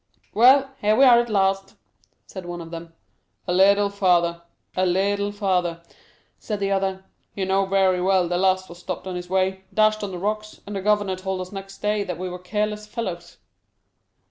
"Well, here we are at last," said one of them. "A little farther—a little farther," said the other. "You know very well that the last was stopped on his way, dashed on the rocks, and the governor told us next day that we were careless fellows."